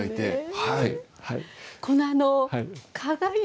はい。